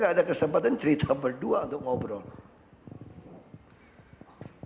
kita tidak ada kesempatan cerita berdua untuk berbicara